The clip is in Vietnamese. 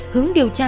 hướng điều tra